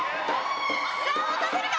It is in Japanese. さあ落とせるか？